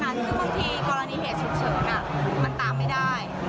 คือบางทีกรณีเหตุฉุกเฉินมันตามไม่ได้